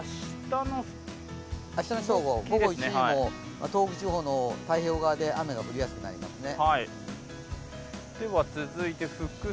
明日の正午、午後１時も東北地方の太平洋側で雨が降りやすくなりますね。